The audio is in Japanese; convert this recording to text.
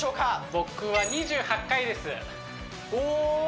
僕は２８回ですおお！